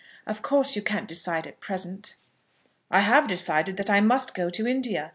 Of course you can't decide at present." "I have decided that I must go to India.